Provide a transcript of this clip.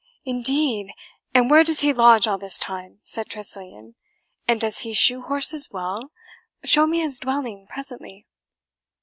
"Indeed! and where does he lodge all this time?" said Tressilian. "And does he shoe horses well? Show me his dwelling presently."